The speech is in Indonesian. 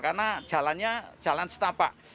karena jalannya jalan setapak